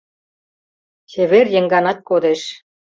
Чевер еҥганат кодеш